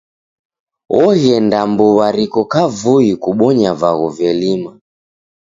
Oghenda mbuw'a riko kavui kubonya vaghu velima.